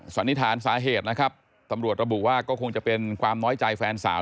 สันนิษฐานสาเหตุนะครับตำรวจระบุว่าก็คงจะเป็นความน้อยใจแฟนสาว